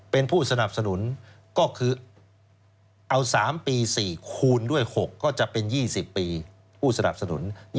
เป็นผู้สนับสนุนก็คือเอา๓ปี๔คูณด้วย๖ก็จะเป็น๒๐ปีผู้สนับสนุน